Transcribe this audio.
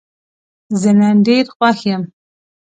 زه نن ډېر خوښ یم.